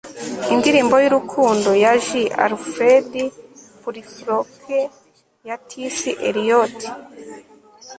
indirimbo y'urukundo ya j. alfred prufrock ya t. s. eliot